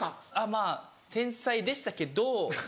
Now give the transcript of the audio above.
まぁ天才でしたけど。